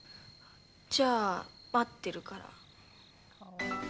じゃあ、待ってるから。